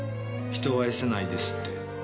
人を愛せないですって。